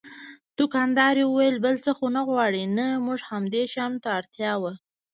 دوکاندارې وویل: بل څه خو نه غواړئ؟ نه، زموږ همدې شیانو ته اړتیا وه.